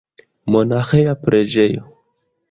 Monaĥeja preĝejo.